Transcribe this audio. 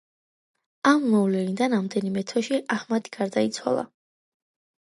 ამ მოვლენიდან ამდენიმე თვეში აჰმადი გარდაიცვალა.